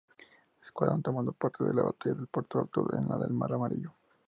Escuadrón tomando parte de la Batalla de puerto Arthur y la del Mar Amarillo.